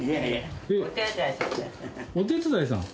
お手伝いさん？